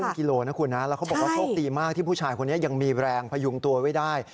กิโลนะคุณนะแล้วเขาบอกว่าโชคดีมากที่ผู้ชายคนนี้ยังมีแรงพยุงตัวไว้ได้